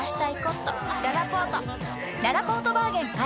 ららぽーとバーゲン開催！